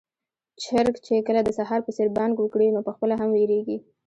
چرګ چې کله د سهار په څېر بانګ وکړي، نو پخپله هم وېريږي.